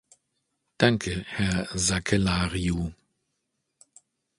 Danke, Herr Sakellariou.